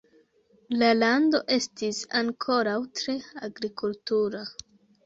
La lando estis ankoraŭ tre agrikultura.